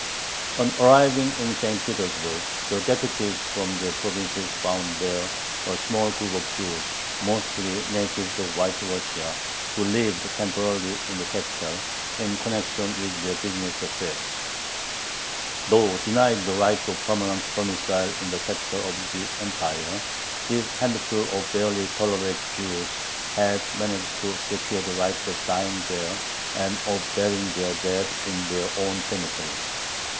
On arriving in St. Petersburg, the deputies from the provinces found there a small group of Jews, mostly natives of White Russia, who lived temporarily in the capital, in connection with their business affairs. Though denied the right of permanent domicile in the capital of the Empire, this handful of barely tolerated Jews had managed to secure the right of dying there and of burying their dead in their own cemetery.